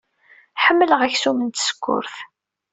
Ḥemmleɣ aksum n tsekkurt.